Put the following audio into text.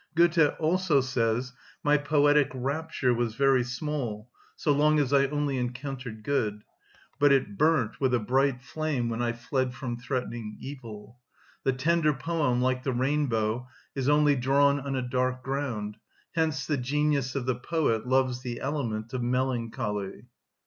Goethe also says: "My poetic rapture was very small, so long as I only encountered good; but it burnt with a bright flame when I fled from threatening evil. The tender poem, like the rainbow, is only drawn on a dark ground; hence the genius of the poet loves the element of melancholy."